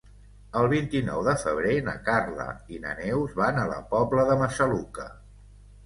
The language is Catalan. El vint-i-nou de febrer na Carla i na Neus van a la Pobla de Massaluca.